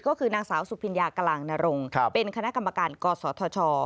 ก็คือนางสาวสุพิญญากลางนรงเป็นคณะกรรมการกศธช